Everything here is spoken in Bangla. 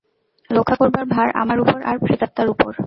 রক্ষা করবার ভার আমার উপর আর প্রেতাত্মার উপর।